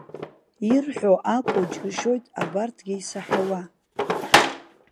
Ирҳәо акәу џьыршьоит абарҭгьы исаҳауа!